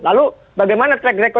lalu bagaimana track record calonnya